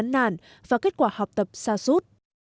nạn và kết quả học tập xa xút